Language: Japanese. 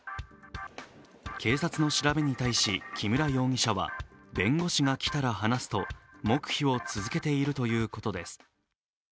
警察の調べに対し、木村容疑者は弁護士が来たら話すと黙秘を続けているということです。